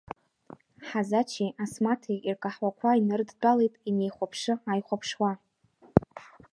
Ҳазачи Асмаҭи ркаҳуақәа инарыдтәалеит инеихәаԥшы-ааихәаԥшуа…